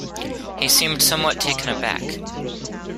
He seemed somewhat taken aback.